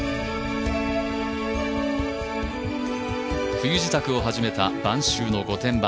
冬支度を始めた晩秋の御殿場。